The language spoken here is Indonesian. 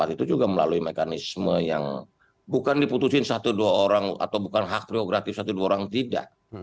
itu juga melalui mekanisme yang bukan diputusin satu dua orang atau bukan hak priokratif satu dua orang tidak